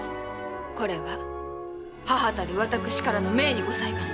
これは母たる私からの命にございます。